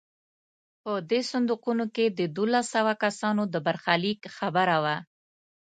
په دې صندوقونو کې د دولس سوه کسانو د برخلیک خبره وه.